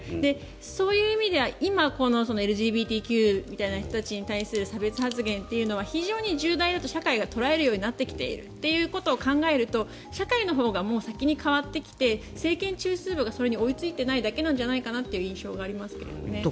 そういう意味では今ＬＧＢＴＱみたいな人たちに対する差別発言というのは非常に重大だと社会が捉えるようになってきているということを考えると社会のほうがもう先に変わってきて政権中枢部がそれに追いついてないだけなんじゃないかという印象がありますけどね。